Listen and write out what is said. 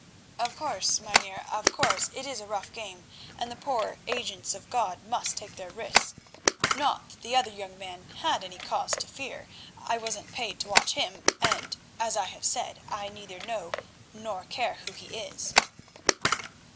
"Of course, Mynheer, of course, it is a rough game, and the poor agents of God must take their risks. Not that the other young man had any cause to fear. I wasn't paid to watch him, and—as I have said—I neither know nor care who he is."